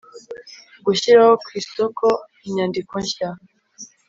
gushyira ku isoko inyandiko nshya